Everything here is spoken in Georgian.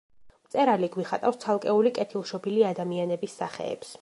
მწერალი გვიხატავს ცალკეული კეთილშობილი ადამიანების სახეებს.